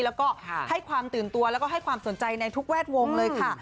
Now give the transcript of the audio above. แล้วก็ให้ความตื่นตัวแล้วก็ให้ความสนใจในทุกแวดวงเลยค่ะ